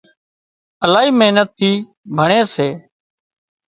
الاهي محنت ٿِي ڀڻي سي